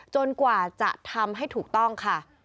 กว่าจะทำให้ถูกต้องค่ะ